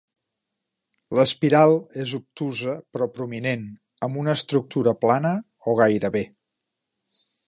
L'espiral és obtusa però prominent, amb una sutura plana o gairebé.